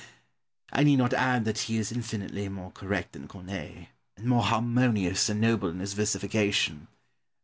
I need not add that he is infinitely more correct than Corneille, and more harmonious and noble in his versification.